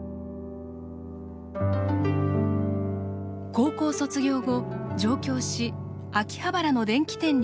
高校卒業後上京し秋葉原の電気店に就職します。